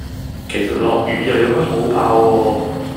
其實落雨又有乜好怕喎